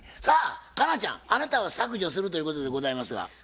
さあ佳奈ちゃんあなたは削除するということでございますが。